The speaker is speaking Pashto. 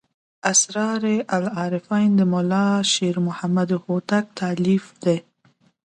اسرار العارفین د ملا شیر محمد هوتک تألیف دی.